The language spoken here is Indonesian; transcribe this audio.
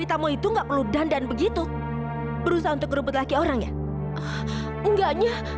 sampai jumpa di video selanjutnya